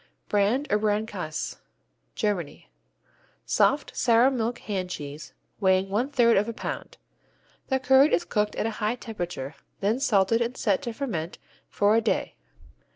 Brand or Brandkäse Germany Soft, sour milk hand cheese, weighing one third of a pound. The curd is cooked at a high temperature, then salted and set to ferment for a day.